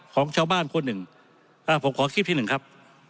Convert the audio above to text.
ของชาวบ้านคนหนึ่งผมขอคลิปที่หนึ่งครับ